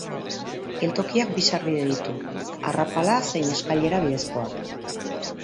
Geltokiak bi sarbide ditu, arrapala zein eskailera bidezkoak.